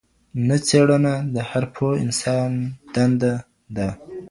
نه، څېړنه د هر پوه انسان دنده ده.